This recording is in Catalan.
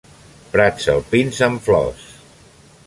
Prats alpins amb flors.